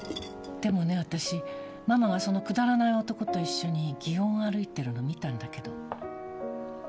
でもね私ママがそのくだらない男と一緒に祇園を歩いてるの見たんだけど。